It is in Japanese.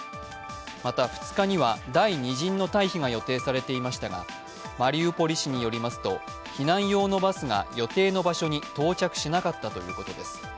また２日には第２陣の退避が予定されていましたがマリウポリ市によりますと避難用のバスが予定の場所に到着しなかったということです。